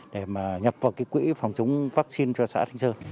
để mà nhập vào cái quỹ phòng chống vaccine cho xã thanh sơn